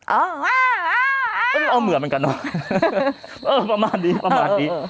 เอ้าเอ้าเอ้าเอ้าเอ้าเหมือนเหมือนกันเนอะเออประมาณนี้ประมาณนี้